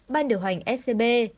ban điều hành scb